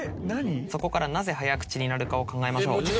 そこからなぜ「早口」になるかを考えましょう。